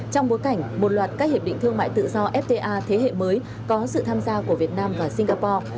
trong bối cảnh một loạt các hiệp định thương mại tự do fta thế hệ mới có sự tham gia của việt nam và singapore